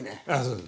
そう。